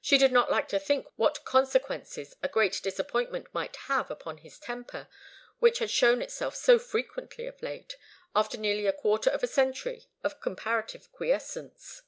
She did not like to think what consequences a great disappointment might have upon his temper, which had shown itself so frequently of late, after nearly a quarter of a century of comparative quiescence.